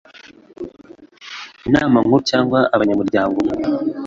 inama nkuru cyangwa abanyamuryango